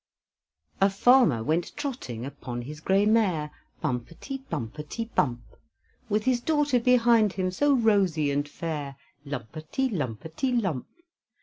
A farmer went trotting Upon his gray mare; Bumpety, bumpety, bump! With his daughter behind him, So rosy and fair; Lumpety, lumpety, lump!